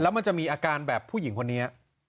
มันจะมีอาการแบบผู้หญิงคนนี้